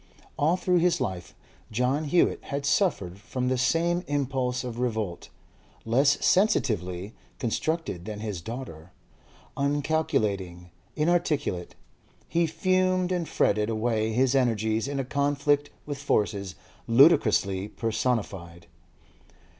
All through his life John Hewett had suffered from the same impulse of revolt; less sensitively constructed than his daughter, uncalculating, inarticulate, he fumed and fretted away his energies in a conflict with forces ludicrously personified.